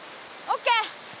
オッケー。